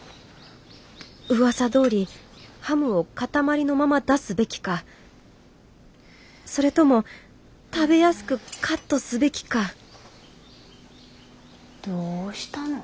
うわさどおりハムを塊のまま出すべきかそれとも食べやすくカットすべきかどうしたの？